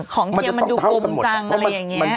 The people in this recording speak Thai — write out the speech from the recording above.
ของเทียมันดูกับมันจะต้องเท่ากันหมด